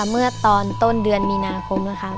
เมื่อตอนต้นเดือนมีนาคมนะคะ